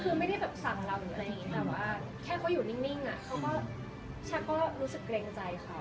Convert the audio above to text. คือไม่ได้สั่งเราอย่างนี้แต่ว่าแค่เขาอยู่นิ่งฉันก็รู้สึกเกรงใจเขา